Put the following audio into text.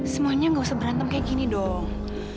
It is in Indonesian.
semuanya gak usah berantem kayak gini dong